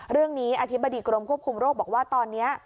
อธิบดีกรมควบคุมโรคบอกว่าตอนนี้